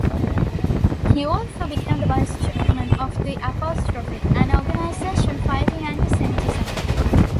He also became vice-chairman of the ', an organization fighting antisemitism.